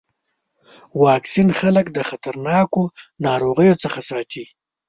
واکسین خلک د خطرناکو ناروغیو څخه ساتي.